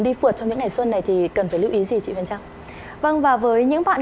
đi phượt trong những ngày xuân này thì cần phải lưu ý gì chị huyền trang vâng và với những bạn